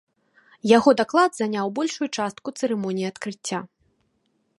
Яго даклад заняў большую частку цырымоніі адкрыцця.